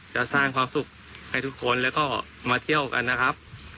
จะสร้างความสุขให้ทุกคนแล้วก็มาเที่ยวกันนะครับ